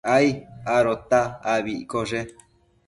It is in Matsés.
ai adota abi iccoshe